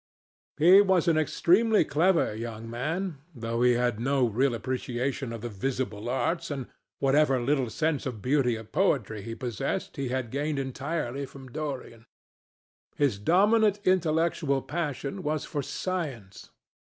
He was an extremely clever young man, though he had no real appreciation of the visible arts, and whatever little sense of the beauty of poetry he possessed he had gained entirely from Dorian. His dominant intellectual passion was for science.